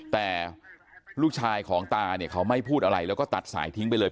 แต่ลูกชายของตาเนี่ยเขาไม่พูดอะไรแล้วก็ตัดสายทิ้งไปเลย